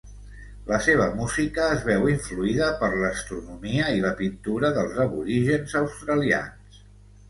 La seva música es veu influïda per l'astronomia i la pintura dels aborígens australians.